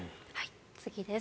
次です。